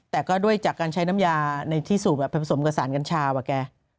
แต่ก็ด้วยจากการใช้น้ำยาในที่สูบแบบผสมกับสารกัญชาอะแก